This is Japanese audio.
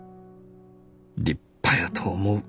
立派やと思う」。